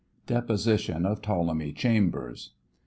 Deposition of Ptolemy Chambers.